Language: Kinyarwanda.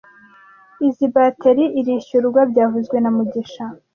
Izoi bateri irishyurwa byavuzwe na mugisha